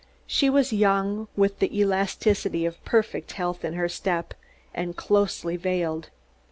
She was young, with the elasticity of perfect health in her step; and closely veiled.